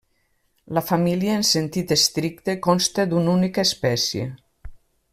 La família en sentit estricte consta d'una única espècie.